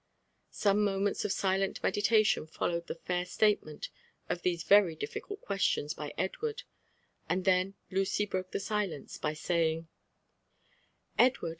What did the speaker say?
Some moments of silent meditation followed the foir stalemeDl ot these very diiBcult questions by Edward, and then Lacy broke the al ienee by saying, " Edward